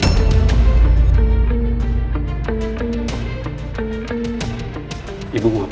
saya mau mengajukanmu